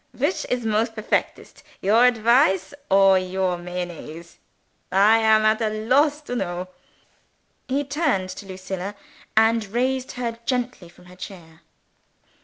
"Which is most perfectest, your advice or your Mayonnaise, I am at a loss to know." He turned to Lucilla, and raised her gently from her chair.